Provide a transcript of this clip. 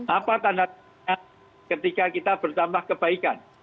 apa tanda tanya ketika kita bertambah kebaikan